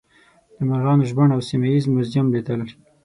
د مرغانو ژوبڼ او سیمه ییز موزیم لیدل.